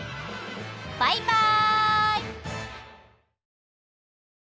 バイバイ！